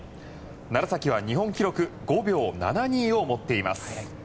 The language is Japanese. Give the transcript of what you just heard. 楢崎は日本記録５秒７２を持っています。